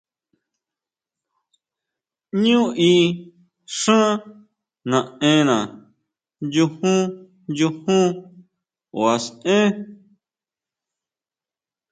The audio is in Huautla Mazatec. Ñú í xán naʼena, nyujún, nyujún kuaʼsʼen.